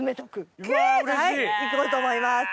行こうと思います。